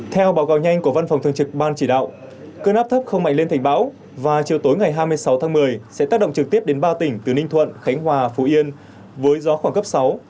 theo báo cáo nhanh của văn phòng thường trực ban chỉ đạo cơn áp thấp không mạnh lên thành bão và chiều tối ngày hai mươi sáu tháng một mươi sẽ tác động trực tiếp đến ba tỉnh từ ninh thuận khánh hòa phú yên với gió khoảng cấp sáu